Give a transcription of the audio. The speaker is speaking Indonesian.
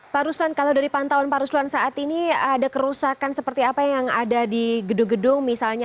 pak ruslan kalau dari pantauan pak ruslan saat ini ada kerusakan seperti apa yang ada di gedung gedung misalnya